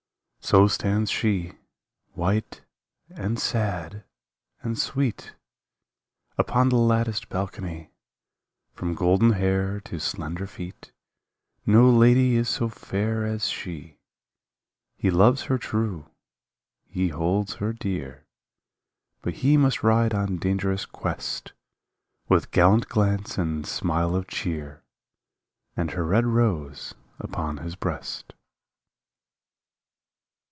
So stands she, white and sad and sweet, Upon the latticed balcony, From golden hair to slender feet No lady is so fair as she ; He loves her true, he holds her dear. But he must ride on dangerous quest, With gallant glance and smile of cheer, And her red rose upon his breast.